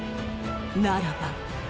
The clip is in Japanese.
ならば